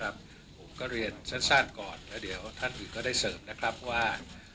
ผมก็เรียนสั้นก่อนแล้วเดี๋ยวท่านอื่นก็ได้เสริมนะครับว่า